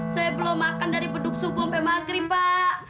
saya belum makan dari beduk subuh sampe maghrib pak